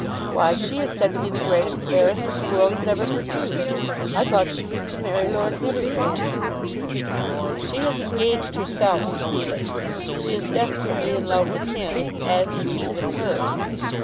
"Why, she is said to be the greatest heiress that the world has ever produced. I thought she was to marry Lord Nidderdale." "She has engaged herself to Felix. She is desperately in love with him, as is he with her."